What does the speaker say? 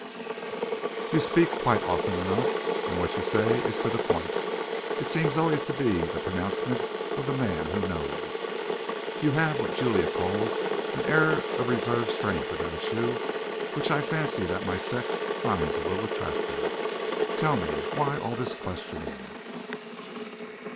You speak quite often enough, and what you say is to the point. It seems always to be the pronouncement of the man who knows. You have what Julia calls an air of reserved strength about you, which I fancy that my sex finds a little attractive. Tell me, why all this questioning?"